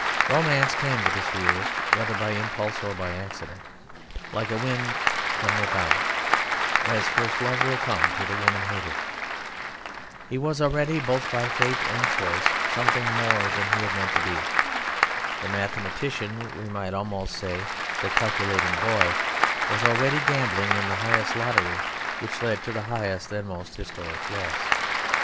Romance came to this realist, whether by impulse or by accident, like a wind from without, as first love will come to the woman hater. He was already, both by fate and choice, something more than he had meant to be. The mathematician, we might almost say the calculating boy, was already gambling in the highest lottery which led to the highest and most historic loss.